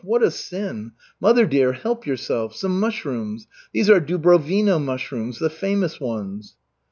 What a sin! Mother dear, help yourself. Some mushrooms. These are Dubrovino mushrooms. The famous ones."